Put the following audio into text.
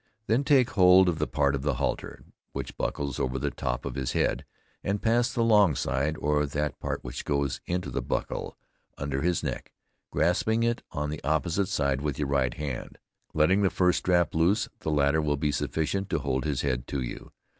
Then take hold of that part of the halter, which buckles over the top of his head, and pass the long side, or that part which goes into the buckle, under his neck, grasping it on the opposite side with your right hand, letting the first strap loose the latter will be sufficient to hold his head to you.